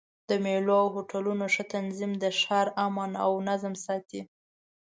د مېلو او هوټلونو ښه تنظیم د ښار امن او نظم ساتي.